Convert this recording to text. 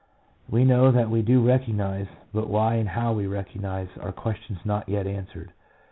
We know that we do recognize, but why and how we recognize are questions not yet answered.